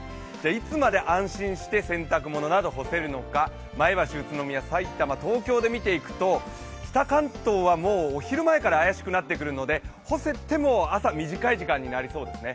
いつまで安心して洗濯物など干せるのか、前橋、宇都宮、埼玉、東京で見ていくと北関東はもうお昼前から怪しくなって来るので、干せても朝短い時間になりそうですね。